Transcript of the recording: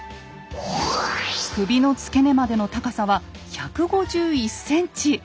首の付け根までの高さは１５１ｃｍ。